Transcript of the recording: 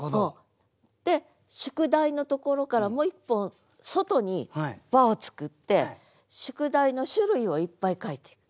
で「宿題」のところからもう一本外に輪を作って「宿題」の種類をいっぱい書いていく。